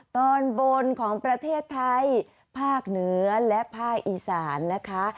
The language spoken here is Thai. ตอนบนของประเทศไทยภาคเหนือและภาคอีสานนะคะ